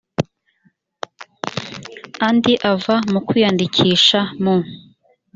andi ava mu kwiyandikisha mu